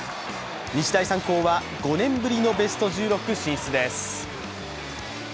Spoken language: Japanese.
日大三高は５年ぶりのベスト１６進出です。